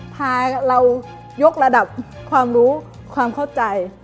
พาเรายกระดับความรู้ความเข้าใจ